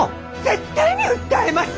絶対に訴えます！